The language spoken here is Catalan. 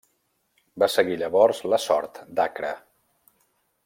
Va seguir llavors la sort d'Acre.